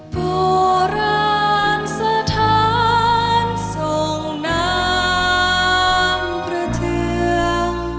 โปรราณสถานทรงน้ำพระเทียง